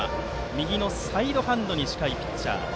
右のサイドハンドに近いピッチャー。